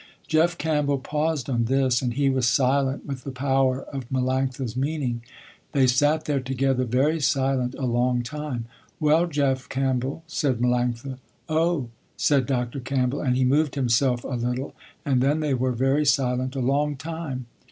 Jeff Campbell paused on this, and he was silent with the power of Melanctha's meaning. They sat there together very silent, a long time. "Well Jeff Campbell," said Melanctha. "Oh," said Dr. Campbell and he moved himself a little, and then they were very silent a long time.